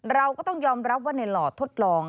เราก็ต้องยอมรับว่าในหลอดทดลอง